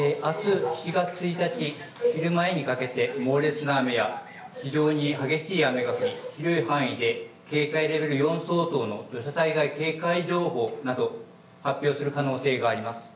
あす７月１日、昼前にかけて猛烈な雨や非常に激しい雨が降り広い範囲で警戒レベル４相当の土砂災害警戒情報など発表する可能性があります。